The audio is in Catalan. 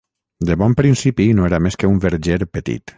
De bon principi no era més que un verger petit